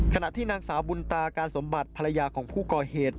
ขณะที่นางสาวบุญตาการสมบัติภรรยาของผู้ก่อเหตุ